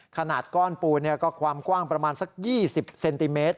ขนาดก้อนปูนก็ความกว้างประมาณสัก๒๐เซนติเมตร